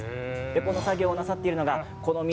この作業をなさってるのがこの道